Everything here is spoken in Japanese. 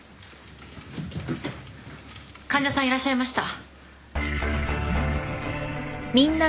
患者さんいらっしゃいました。